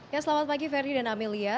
ya selamat pagi ferdie dan amelia